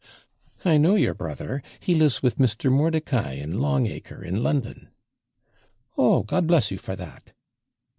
'I know your brother; he lives with Mr. Mordicai, in Long Acre, in London.' 'Oh, God bless you for that!'